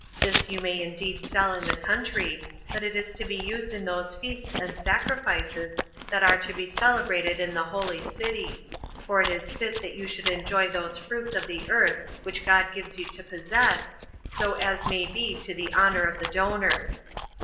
This you may indeed sell in the country, but it is to be used in those feasts and sacrifices that are to be celebrated in the holy city; for it is fit that you should enjoy those fruits of the earth which God gives you to possess, so as may be to the honor of the donor.